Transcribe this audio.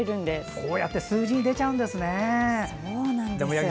こうやって数字に出ちゃうんですね。